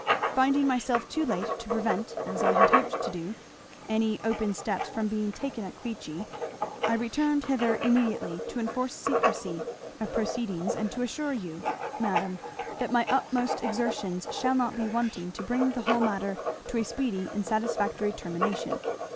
Finding myself too late to prevent, as I had hoped to do, any open steps from being taken at Queechy, I returned hither immediately to enforce secrecy of proceedings and to assure you, madam, that my utmost exertions shall not be wanting to bring the whole matter to a speedy and satisfactory termination.